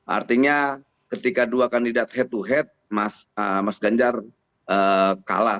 artinya ketika dua kandidat head to head mas ganjar kalah